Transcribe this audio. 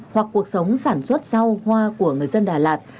hoặc cuộc sống sản xuất rau hoa của người dân đà lạt